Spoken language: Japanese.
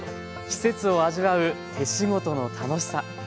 季節を味わう手仕事の楽しさ